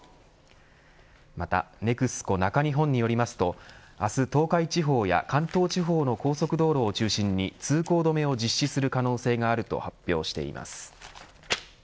またＮＥＸＣＯ中日本によりますと明日東海地方や関東地方の高速道路を中心に通行止めを実施する可能性があると発表しています。